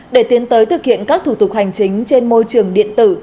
để tiến tới thực hiện các thủ tục hành chính trên môi trường điện tử